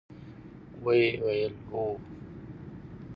ویل: هو!